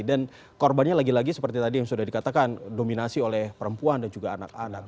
dan korbannya lagi lagi seperti tadi yang sudah dikatakan dominasi oleh perempuan dan juga anak anak